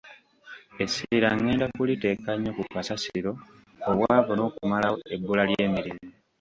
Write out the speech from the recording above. Essira ngenda kuliteeka nnyo ku kasasiro, obwavu n’okumalawo ebbula ly’emirimu.